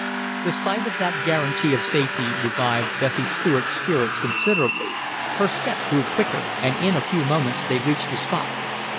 The sight of that guarantee of safety revived Bessie Stuart's spirits considerably; her step grew quicker and in a few moments they reached the spot.